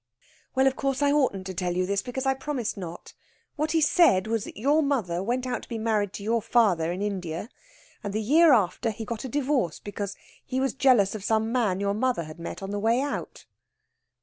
"Well, of course, I oughtn't to tell you this, because I promised not. What he said was that your mother went out to be married to your father in India, and the year after he got a divorce because he was jealous of some man your mother had met on the way out."